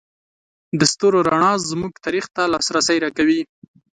د ستورو رڼا زموږ تاریخ ته لاسرسی راکوي.